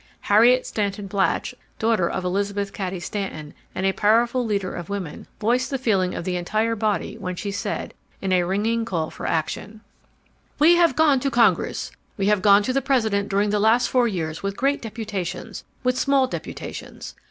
Harriot Stanton Blatch, daughter of Elizabeth Cady Stanton and a powerful leader of women, voiced the feeling of the entire body when she said, in a ringing call for action: "We have gone to Congress, we have gone to the President during the last four years with great deputations, with small deputations.